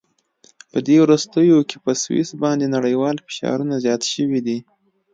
په دې وروستیو کې په سویس باندې نړیوال فشارونه زیات شوي دي.